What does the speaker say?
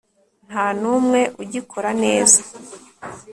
nta n'umwe ugikora neza